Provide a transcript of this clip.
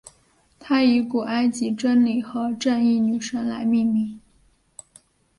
它以古埃及真理和正义女神来命名。